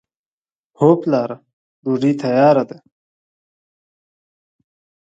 هو پلاره! ډوډۍ تیاره ده.